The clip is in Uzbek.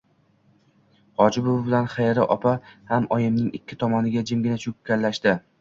Hoji buvi bilan Xayri opa ham oyimning ikki tomoniga jimgina cho‘kkalashdi.